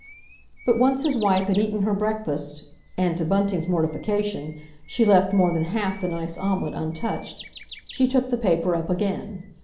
But once his wife had eaten her breakfast—and, to Bunting's mortification, she left more than half the nice omelette untouched—she took the paper up again.